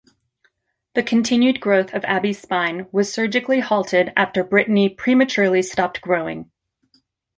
The continued growth of Abby's spine was surgically halted after Brittany prematurely stopped growing.